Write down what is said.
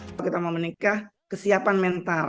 kalau kita mau menikah kesiapan mental